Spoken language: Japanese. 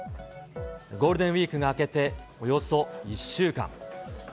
ゴールデンウィークが明けて、およそ１週間。